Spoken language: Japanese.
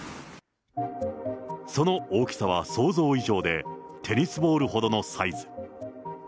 その大きさは想像以上で、テニスボールほどのサイズ。